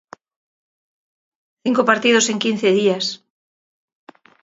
Cinco partidos en quince días.